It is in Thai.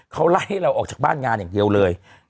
เขาไล่ให้เราออกจากบ้านงานอย่างเดียวเลย